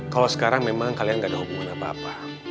kalau sekarang memang kalian gak ada hubungan apa apa